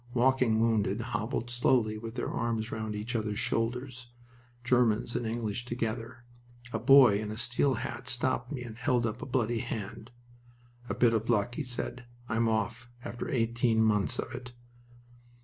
Walking wounded hobbled slowly with their arms round each other's shoulders, Germans and English together. A boy in a steel hat stopped me and held up a bloody hand. "A bit of luck!" he said. "I'm off, after eighteen months of it."